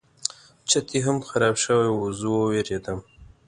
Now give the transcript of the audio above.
چت یې هم خراب شوی و زه وویرېدم.